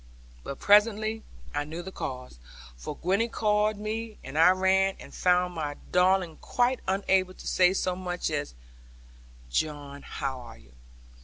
But presently I knew the cause, for Gwenny called me, and I ran, and found my darling quite unable to say so much as, 'John, how are you?'